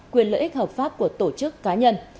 quyền lợi ích hợp pháp của tổ chức cá nhân